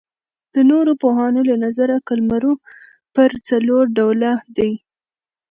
د نورو پوهانو له نظره قلمرو پر څلور ډوله دئ.